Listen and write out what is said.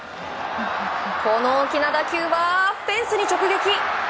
この大きな打球はフェンスに直撃。